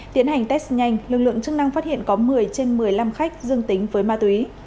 tiến hành test nhanh lực lượng chức năng phát hiện có một mươi trên một mươi năm khách dương tính với ma túy